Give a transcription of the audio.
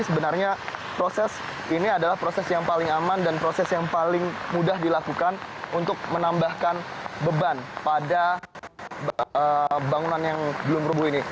sebenarnya proses ini adalah proses yang paling aman dan proses yang paling mudah dilakukan untuk menambahkan beban pada bangunan yang belum rebuh ini